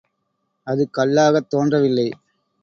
அது கல்லாகத் தோன்றவில்லை.